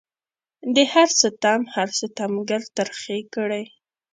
د هر ستم هر ستمګر ترخې کړي